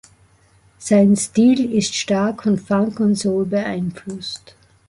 Sein Stil ist stark von Funk und Soul beeinflusst.